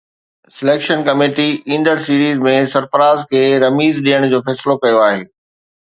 selection committee ايندڙ series ۾ Sarfaraz کي رميز ڏيڻ جو فيصلو ڪيو آهي